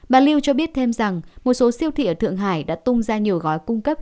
bà lưu cho biết thêm rằng một số siêu thị ở thượng hải đã tung ra nhiều gói cung cấp